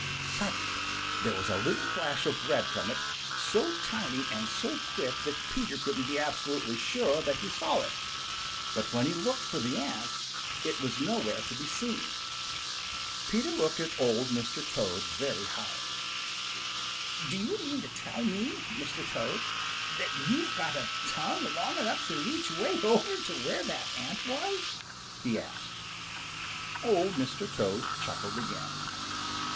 Suddenly there was a little flash of red from it, so tiny and so quick that Peter couldn't be absolutely sure that he saw it. But when he looked for the ant, it was nowhere to be seen. Peter looked at Old Mr. Toad very hard. "Do you mean to tell me, Mr. Toad, that you've got a tongue long enough to reach way over to where that ant was?" he asked. Old Mr. Toad chuckled again.